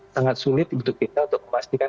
sangat sulit untuk kita untuk memastikan